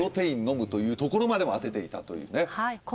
というところまでも当てていたというね。